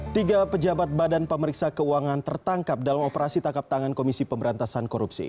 tiga pejabat badan pemeriksa keuangan tertangkap dalam operasi tangkap tangan komisi pemberantasan korupsi